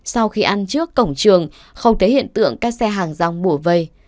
sau khi ăn trước cổng trường không thấy hiện tượng các xe hàng rong bổ vây